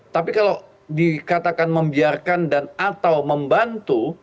tapi kalau dikatakan membiarkan dan atau membantu